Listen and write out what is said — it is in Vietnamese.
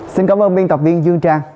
xin cảm ơn biên tập viên dương trang